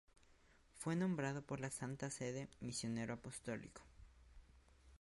Fue nombrado por la Santa Sede Misionero Apostólico.